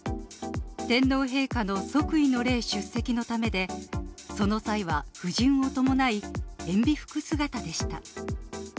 天皇陛下の即位の礼出席のためで、その際は夫人を伴い、えんび服姿でした。